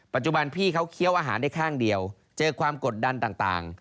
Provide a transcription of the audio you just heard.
พี่เขาเคี้ยวอาหารได้ข้างเดียวเจอความกดดันต่าง